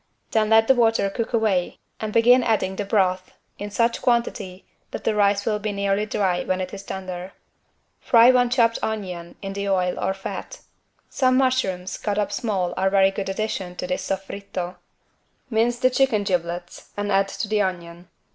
Then let the water cook away and begin adding the broth, in such quantity that the rice will be nearly dry when it is tender. Fry one chopped onion in the oil or fat. Some mushrooms cut up small are a very good addition to this "=Soffritto=". Mince the chicken giblets and add to the onion.